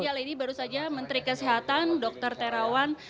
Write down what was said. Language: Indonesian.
ya lady baru saja menteri kesehatan dr terawan